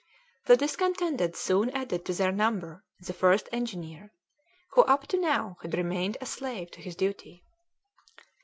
The discontented soon added to their number the first engineer, who up to now had remained a slave to his duty.